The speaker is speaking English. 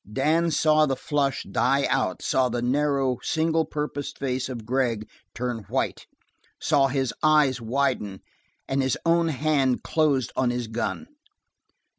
Dan saw the flush die out, saw the narrow, single purposed face of Gregg turn white, saw his eyes widen, and his own hand closed on his gun.